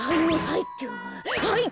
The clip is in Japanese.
はい。